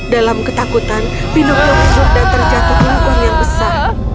dalam ketakutan pinocchio sudah terjatuh di lubang yang besar